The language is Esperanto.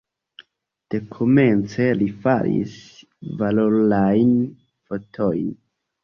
Dekomence li faris valorajn fotojn.